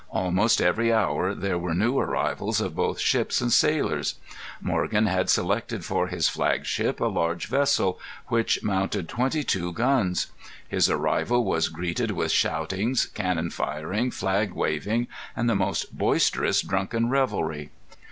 Almost every hour there were new arrivals of both ships and sailors. Morgan had selected for his flagship a large vessel, which mounted twenty two guns. His arrival was greeted with shoutings, cannon firing, flag waving, and the most boisterous drunken revelry.